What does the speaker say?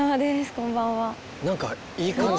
「こんばんは」！？